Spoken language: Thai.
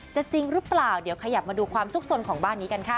จริงหรือเปล่าเดี๋ยวขยับมาดูความสุขสนของบ้านนี้กันค่ะ